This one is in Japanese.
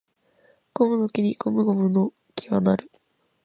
ゴムの木にゴムゴムの木は成る